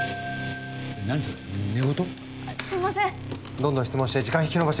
どんどん質問して時間引き延ばしてください。